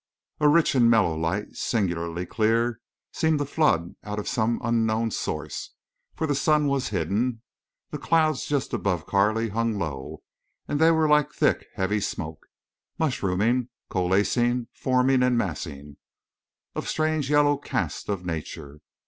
A rich and mellow light, singularly clear, seemed to flood out of some unknown source. For the sun was hidden. The clouds just above Carley hung low, and they were like thick, heavy smoke, mushrooming, coalescing, forming and massing, of strange yellow cast of nature.